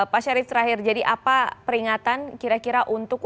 pak syarif terakhir jadi apa peringatan kira kira untuk